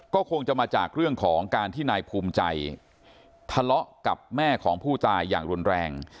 ก็คงจะมาจากเรื่องของการที่นายภูมิใจทะเลาะกับแม่ของผู้ตายอย่างรุนแรง